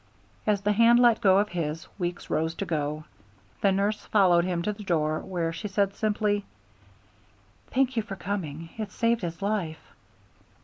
As the hand let go of his, Weeks rose to go. The nurse followed him to the door, where she said simply: "Thank you for coming. It saved his life."